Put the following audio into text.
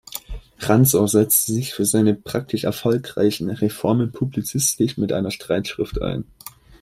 Rantzau setzte sich für seine praktisch erfolgreichen Reformen publizistisch mit einer Streitschrift ein.